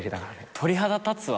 鳥肌立つわ。